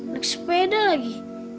naik sepeda lagi